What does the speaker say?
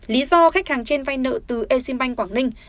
lý do khách hàng trên vay nợ từ exim bank quảng ninh